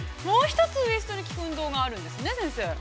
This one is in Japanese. もう一つウエストに効く運動があるんですね、先生。